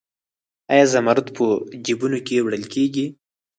آیا زمرد په جیبونو کې وړل کیږي؟